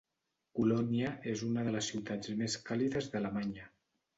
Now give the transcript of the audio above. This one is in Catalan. Colònia és una de les ciutats més càlides d'Alemanya.